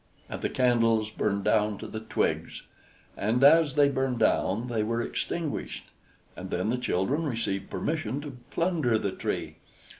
And the candles burned down to the twigs, and as they burned down they were extinguished, and then the children received permission to plunder the Tree.